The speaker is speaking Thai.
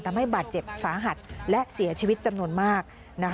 ทำให้บาดเจ็บสาหัสและเสียชีวิตจำนวนมาก